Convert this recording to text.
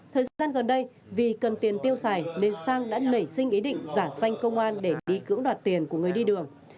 thời gian gần đây vì cần tiền tiêu xài nên sang đã nảy sinh ý định giả xanh công an để đi cưỡng đoạt tiền của người đi đường